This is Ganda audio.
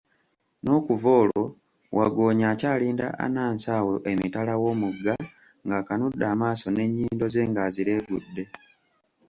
N'okuva olwo, wagggoonya akyalinda Anansi awo emitala w'omugga ng'akanudde amaaso n'ennyindo ze ng'azireegudde.